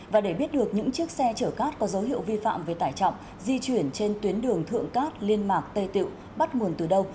và để biết được những chiếc xe chở cát có dấu hiệu vi phạm về tải trọng di chuyển trên tuyến đường thượng cát liên mạc tây tiệu bắt nguồn từ đâu